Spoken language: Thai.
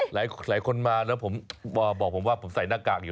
หลายคนมาแล้วผมบอกผมว่าผมใส่หน้ากากอยู่